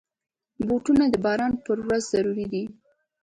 بوټونه د باران پر ورځ ضروري دي.